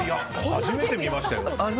初めて見ましたよ。